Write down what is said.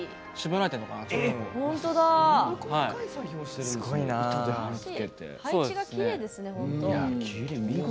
配置がきれいですね本当。